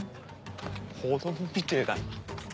子供みてぇだな。